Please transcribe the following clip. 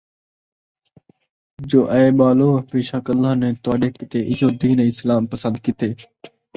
جو اے ٻالو! بیشک اللہ نے تُہاݙے کِیتے اِیہو دین اِسلام پسند کِیتے